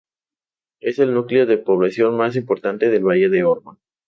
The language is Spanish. Es el núcleo de población más importante del valle de Orba.